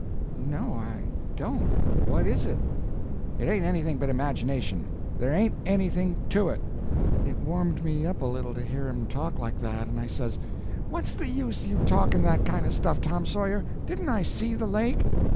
"No, I don't. What is it?" "It ain't anything but imagination. There ain't anything to it." It warmed me up a little to hear him talk like that, and I says: "What's the use you talking that kind of stuff, Tom Sawyer? Didn't I see the lake?"